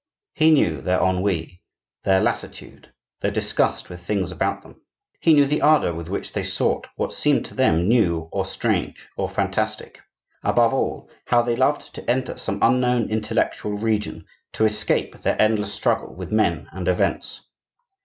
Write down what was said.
He knew their ennui, their lassitude, their disgust with things about them; he knew the ardor with which they sought what seemed to them new or strange or fantastic; above all, how they loved to enter some unknown intellectual region to escape their endless struggle with men and events.